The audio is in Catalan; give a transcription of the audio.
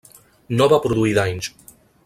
No va produir danys.